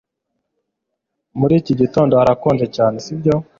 Muri iki gitondo harakonje cyane sibyo